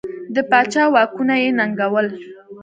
د پاچا واکونه یې ننګول.